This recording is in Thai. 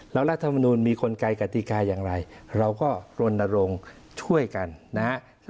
แล้วรัฐมนุนมีกลไกกติกาอย่างไรเราก็รณรงค์ช่วยกันนะฮะ